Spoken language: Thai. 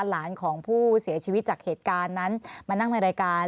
หลานของผู้เสียชีวิตจากเหตุการณ์นั้นมานั่งในรายการ